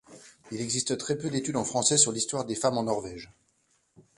Il existe très peu d'études en français sur l'histoire des femmes en Norvège.